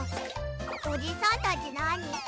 おじさんたちなに？